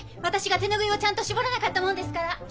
私が手拭いをちゃんと絞らなかったもんですから。